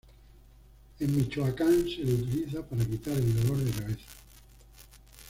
En Michoacán se le utiliza para quitar el dolor de cabeza.